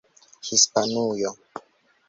Hispanujo